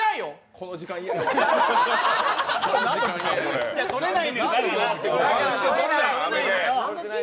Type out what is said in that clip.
この時間嫌やわ。